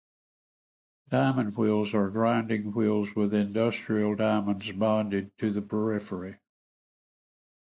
"Diamond wheels" are grinding wheels with industrial diamonds bonded to the periphery.